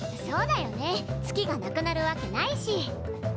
そうだよね月がなくなるわけないし。